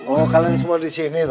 oh kalian semua di sini